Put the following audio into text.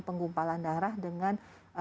penggumpalan darah dengan